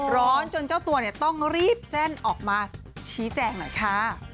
จนเจ้าตัวต้องรีบแจ้งออกมาชี้แจงหน่อยค่ะ